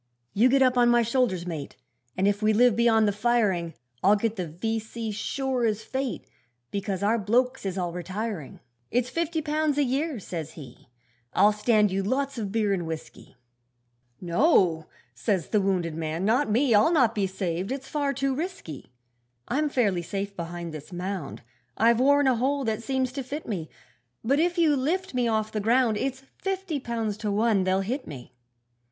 'You get up on my shoulders, mate, And if we live beyond the firing, I'll get the V.C. sure as fate, Because our blokes is all retiring. 'It's fifty pounds a year,' says he, 'I'll stand you lots of beer and whisky.' 'No,' says the wounded man, 'not me, I'll not be saved, it's far too risky. 'I'm fairly safe behind this mound, I've worn a hole that seems to fit me; But if you lift me off the ground, It's fifty pounds to one they'll hit me.'